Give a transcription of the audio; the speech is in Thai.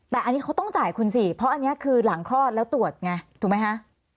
แต่อันนี้เขาต้องจ่ายคุณสิเพราะอันนี้คือหลังคลอดแล้วตรวจไงถูกไหมคะ